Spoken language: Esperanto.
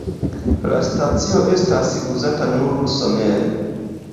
La stacio estas uzata nur somere.